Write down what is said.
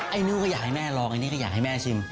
นิ้วก็อยากให้แม่ลองอันนี้ก็อยากให้แม่ชิม